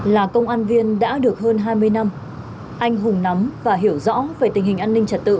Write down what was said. là công an viên đã được hơn hai mươi năm anh hùng nắm và hiểu rõ về tình hình an ninh trật tự